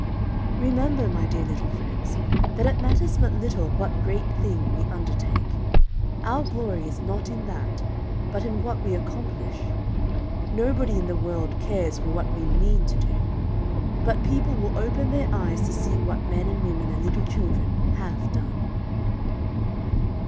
Remember, my dear little friends, that it matters but little what great thing we undertake. Our glory is not in that, but in what we accomplish. Nobody in the world cares for what we mean to do; but people will open their eyes to see what men and women and little children have done.